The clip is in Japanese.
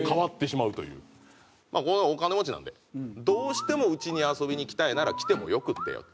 まあこの子はお金持ちなんで「どうしてもウチに遊びに来たいなら来てもよくってよ」